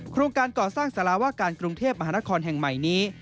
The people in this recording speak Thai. โครงการก่อสร้างสารวาการกรุงเทพมหานครแห่งใหม่นี้